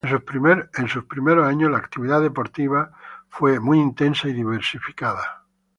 En sus primeros años la actividad deportiva fue muy intensa y diversificada.